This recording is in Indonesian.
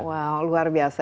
wow luar biasa